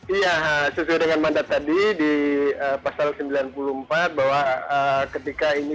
iya sesuai dengan mandat tadi di pasal sembilan puluh empat bahwa ketika ini